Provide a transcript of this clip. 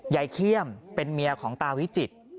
ไยเคียมเป็นเมียของตาวิจิฐ